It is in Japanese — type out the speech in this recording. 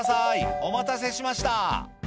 お待たせしました」